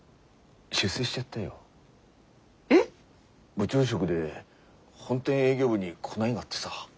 部長職で本店営業部に来ないがってさ。